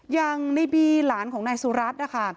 อย่างในบีหลานของนายสุรัตน์นะคะ